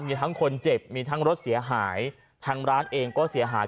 มีทั้งคนเจ็บมีทั้งรถเสียหายทางร้านเองก็เสียหาย